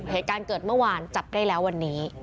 เหตุการณ์เกิดเมื่อวานจับได้แล้ววันนี้